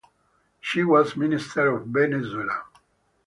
She was Minister of Venezuela.